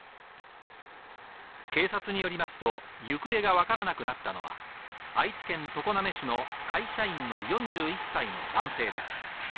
警察によりますと、行方がわからなくなったのは、愛知県常滑市の会社員の４１歳の男性です。